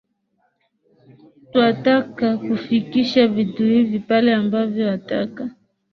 Twataka kufikisha vitu hivi pale ambapo wataka